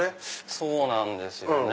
そうなんですよね。